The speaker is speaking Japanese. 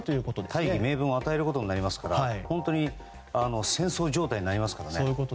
大義名分を与えることになりますから戦争状態になりますからね。